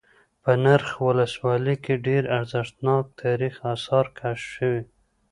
په نرخ ولسوالۍ كې ډېر ارزښتناك تاريخ آثار كشف شوي